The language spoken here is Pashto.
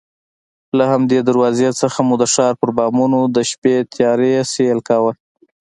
له همدې دروازې څخه مو د ښار پر بامونو د شپې تیاره سیل کاوه.